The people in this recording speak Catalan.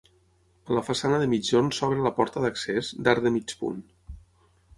A la façana de migjorn s'obre la porta d'accés, d'arc de mig punt.